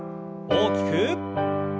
大きく。